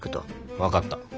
わかった。